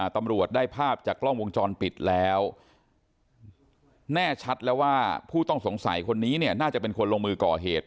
ตำรวจได้ภาพจากกล้องวงจรปิดแล้วแน่ชัดแล้วว่าผู้ต้องสงสัยคนนี้เนี่ยน่าจะเป็นคนลงมือก่อเหตุ